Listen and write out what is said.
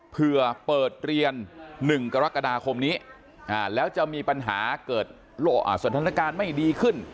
เพื่อเปิดเรียน๑กรกฎาคมนี้แล้วจะมีปัญหาเกิดสถานการณ์ไม่ดีขึ้น